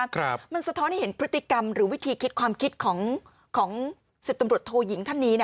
มันสะท้อนให้เห็นพฤติกรรมหรือวิธีคิดความคิดของของสิบตำรวจโทยิงท่านนี้